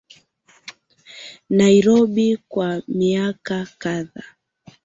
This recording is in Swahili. Nairobi kwa miaka kadhaa